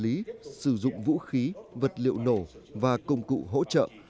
luật sửa đổi bổ sung điều ba luật quản lý sử dụng vũ khí vật liệu nổ và công cụ hỗ trợ